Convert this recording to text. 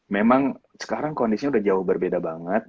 memang sekarang kondisinya udah jauh berbeda banget